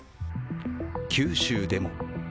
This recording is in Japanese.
九州でも。